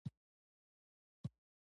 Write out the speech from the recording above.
د لغمان باغونه مالټې لري.